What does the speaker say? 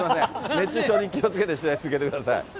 熱中症に気をつけて取材続けてください。